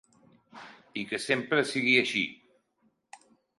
I que sempre sigui així.